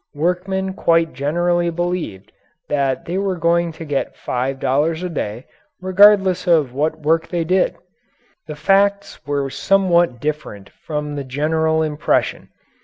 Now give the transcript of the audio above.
Workmen quite generally believed that they were going to get five dollars a day, regardless of what work they did. The facts were somewhat different from the general impression.